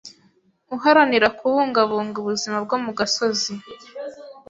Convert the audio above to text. uharanira kubungabunga ubuzima bwo mu gasozi